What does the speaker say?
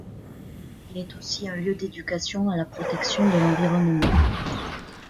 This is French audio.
Il est aussi un lieu d'éducation à la protection de l'environnement.